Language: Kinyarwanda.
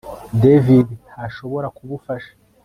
David ntashobora kubufasha